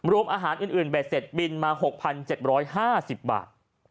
รวมอาหารอื่นเบ็ดเสร็จบินมา๖๗๕๐บาท